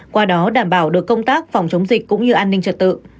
qua đó đảm bảo được công tác phòng chống dịch cũng như an ninh trật tự